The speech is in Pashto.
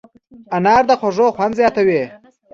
انار د خوړو خوند زیاتوي.